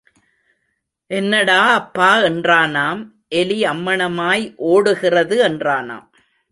என்னடா அப்பா என்றானாம் எலி அம்மணமாய் ஓடுகிறது என்றானாம்.